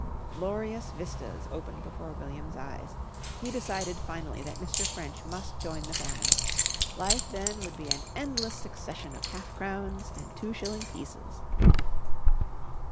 Glorious vistas opened before William's eyes He decided finally that Mr. French must join the family. Life then would be an endless succession of half crowns and two shilling pieces.